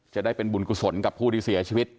จะได้เป็นบุญกุศลกับผู้ที่เสียชีวิต